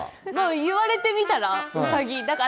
言われてみたら、ウサギ。